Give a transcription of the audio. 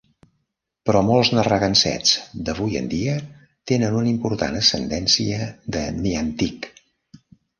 Però molts Narragansetts d'avui en dia tenen una important ascendència de Niantic.